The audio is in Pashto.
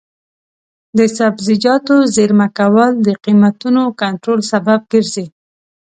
د سبزیجاتو زېرمه کول د قیمتونو کنټرول سبب ګرځي.